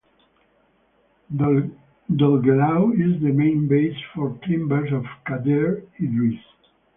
Dolgellau is the main base for climbers of Cadair Idris.